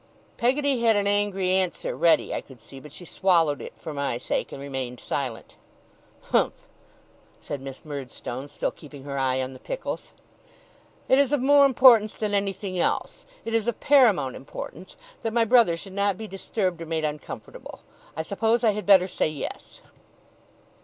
Peggotty had an angry answer ready, I could see; but she swallowed it for my sake, and remained silent. 'Humph!' said Miss Murdstone, still keeping her eye on the pickles; 'it is of more importance than anything else it is of paramount importance that my brother should not be disturbed or made uncomfortable. I suppose I had better say yes.